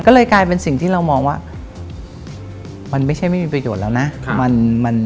ก็เลยกลายเป็นสิ่งที่เรามองว่ามันไม่ใช่ไม่มีประโยชน์แล้วนะ